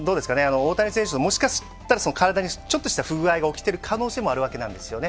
大谷選手の、もしかしたら体に不具合が起きている可能性もあるわけなんですよね。